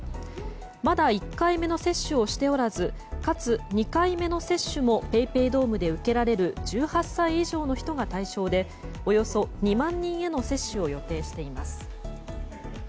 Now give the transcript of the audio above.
まだ１回目の接種をしておらずかつ、２回目の接種もＰａｙＰａｙドームで受けられる受けられる１８歳以上の人が対象で、およそ２万人への接種を予定しています。